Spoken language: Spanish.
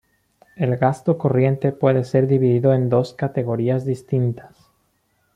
El gasto corriente puede ser dividido en dos categorías distintas.